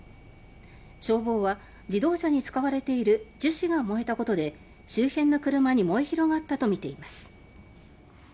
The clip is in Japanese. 消防は、自動車に使われている樹脂が燃えたことで周辺の車に燃え広がったと見ています。